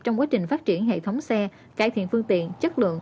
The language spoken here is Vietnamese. trong quá trình phát triển hệ thống xe cải thiện phương tiện chất lượng